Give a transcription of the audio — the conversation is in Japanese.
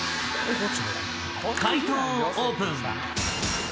解答をオープン。